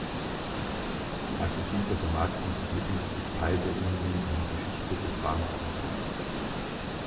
Die aggressive Vermarktung des Mittels ist Teil der unrühmlichen Geschichte des Pharmakonzerns.